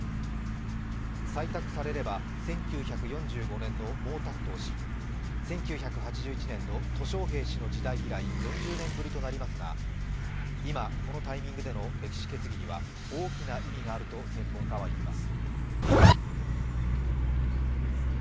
採択されれば１９４５年の毛沢東氏、１９８１年のトウ小平氏の時代以来４０年ぶりとなりますが、今、このタイミングでの歴史決議には大きな意味があると専門家はいいます。